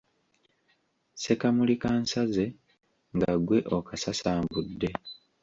Ssekamuli kansaze, nga ggwe okasasambudde.